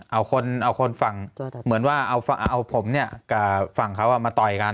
เอาคนฝั่งเหมือนว่าเอาผมเนี่ยกับฝั่งเขามาต่อยกัน